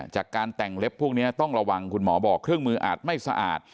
จากการแต่งเล็บพวกนี้ต้องระวังคุณหมอบอกเครื่องมืออาจไม่สะอาด